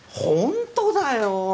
本当だよ！